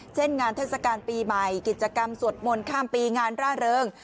เช่นงานเทศกาลปีใหม่กิจกรรมสวดมนต์ข้ามปีงานร่าเริง